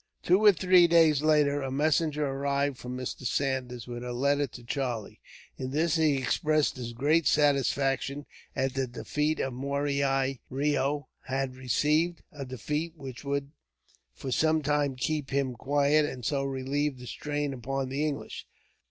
Two or three days later a messenger arrived from Mr. Saunders, with a letter to Charlie. In this he expressed his great satisfaction at the defeat Murari Reo had received; a defeat which would, for some time, keep him quiet, and so relieve the strain upon the English.